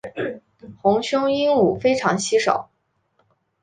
红胸鹦鹉非常稀少。